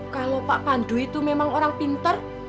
kalau pak pandu itu memang orang pintar